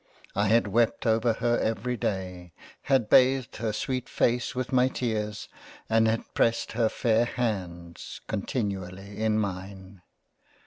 I had wept over her every Day — had bathed her sweet face with my tears and had pressed her fair Hands continually in mine —